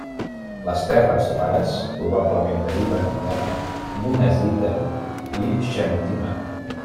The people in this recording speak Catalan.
Les terres rares probablement deriven de monazita i xenotima.